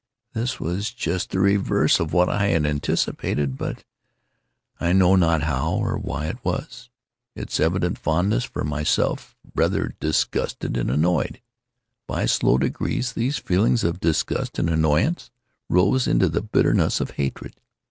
This was just the reverse of what I had anticipated; but—I know not how or why it was—its evident fondness for myself rather disgusted and annoyed. By slow degrees, these feelings of disgust and annoyance rose into the bitterness of hatred.